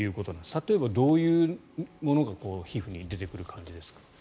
例えば、どういうものが皮膚に出てくる感じですか？